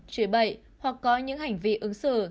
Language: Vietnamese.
trừ bậy hoặc có những hành vi ứng xử